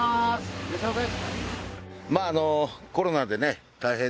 いらっしゃいませ。